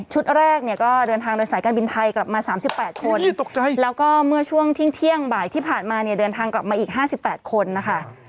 ชุดแรกเนี้ยก็เดินทางโดยสายการบินไทยกลับมาสามสิบแปดคนตกใจแล้วก็เมื่อช่วงทิ้งเที่ยงบ่ายที่ผ่านมาเนี้ยเดินทางกลับมาอีกห้าสิบแปดคนนะคะ